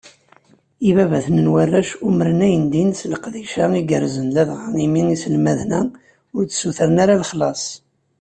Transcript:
Ibabaten n warrac umren ayendin s leqdic-a igerrzen, ladɣa imi iselmaden-a ur d-ssutren ara lexlaṣ.